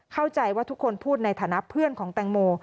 เข้าใจว่าทุกคนพูดในฐานะเพื่อนของแตงโม